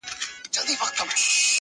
هم غریب دی هم رنځور دی هم ډنګر دی-